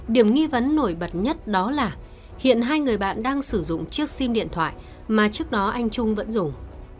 điểm nghi vấn nổi bật nhất đó là hiện hai người bạn đang sử dụng chiếc sim điện thoại mà trước đó anh trung vẫn dùng